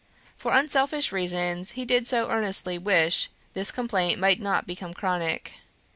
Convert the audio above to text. For unselfish reasons he did so earnestly wish this complaint might not become chronic.